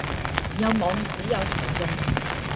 有網址有何用